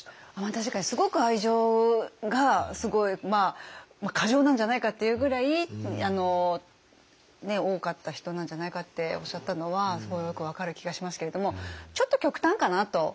確かにすごく愛情がすごい過剰なんじゃないかっていうぐらい多かった人なんじゃないかっておっしゃったのはすごいよく分かる気がしますけれどもちょっと極端かなと。